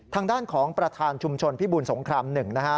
ทางด้านของประธานชุมชนพิบูลสงคราม๑นะฮะ